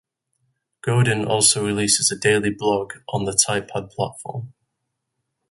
Godin also releases a daily blog on the Typepad platform.